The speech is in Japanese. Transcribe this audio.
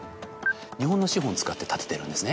日本の資本を使って建ててるんですね。